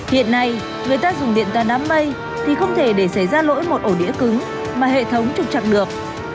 hiện nay người ta dùng điện ta đám mây thì không thể để xảy ra lỗi một ổ đĩa cứng mà hệ thống trục chặt được